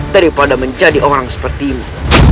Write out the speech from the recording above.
daripada menjadi orang seperti ini